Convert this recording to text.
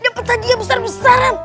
dapet aja dia besar besaran